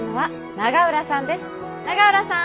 永浦さん！